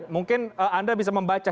mungkin anda bisa membaca